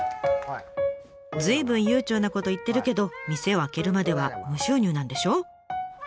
随分悠長なこと言ってるけど店を開けるまでは無収入なんでしょ？